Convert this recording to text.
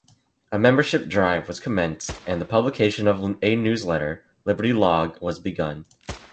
A membership drive was commenced and publication of a newsletter, "Liberty Log", was begun.